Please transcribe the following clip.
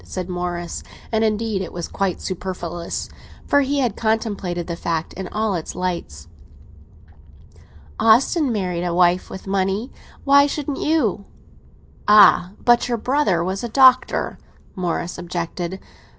said Morris; and, indeed, it was quite superfluous, for he had contemplated the fact in all its lights. "Austin married a wife with money—why shouldn't you?" "Ah! but your brother was a doctor," Morris objected.